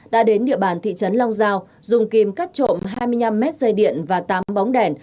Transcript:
đã đến địa bàn thị trấn long giao dùng kim cắt trộm hai mươi năm mét dây điện và tám bóng đèn